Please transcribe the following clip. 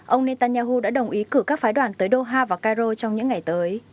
ông netanyahu đã đồng ý cử các phái đoàn tới doha và cairo trong những ngày tới